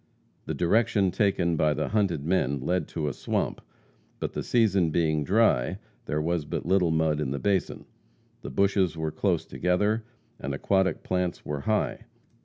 The direction taken by the hunted men led to a swamp, but the season being dry, there was but little mud in the basin. The bushes were close together, and aquatic plants were high.